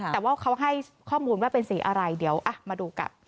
แต่ว่าเขาให้ข้อมูลว่าเป็นสีอะไรเดี๋ยวมาดูกัน